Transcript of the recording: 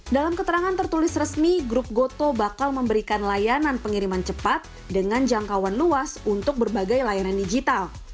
dalam keterangan tertulis resmi grup goto bakal memberikan layanan pengiriman cepat dengan jangkauan luas untuk berbagai layanan digital